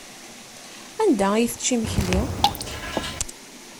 Anda ay tečča imekli?